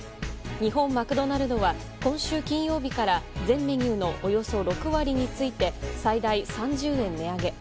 日本マクドナルドは今週金曜日から全メニューのおよそ６割について最大３０円値上げ。